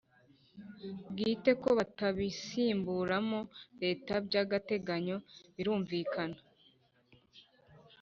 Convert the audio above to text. bwite ko batabisimburamo Leta by agateganyo Birumvikana